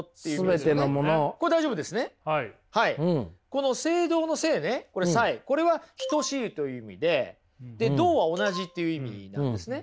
この「斉同」の「斉」ねこれは等しいという意味でで「同」は同じっていう意味なんですね。